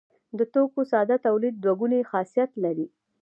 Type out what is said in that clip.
د توکو ساده تولید دوه ګونی خاصیت لري.